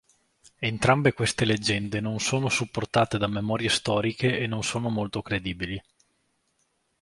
Entrambe queste leggende non sono supportate da memorie storiche e non sono molto credibili.